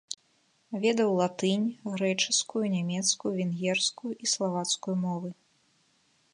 Ведаў латынь, грэчаскую, нямецкую, венгерскую і славацкую мовы.